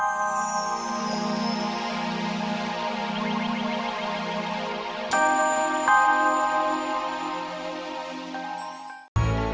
apa sih makanya dee